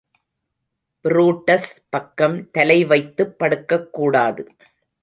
Brutus பக்கம் தலைவைத்துப் படுக்கக்கூடாது!